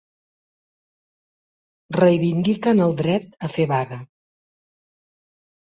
Reivindiquen el dret a fer vaga.